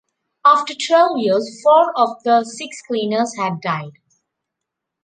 After twelve years, four of the six cleaners had died.